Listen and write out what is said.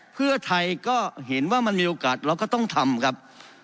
เพื่อไทยก็เห็นว่ามันมีโอกาสเราก็ต้องทำครับ